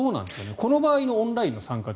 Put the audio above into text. この場合のオンラインの参加って。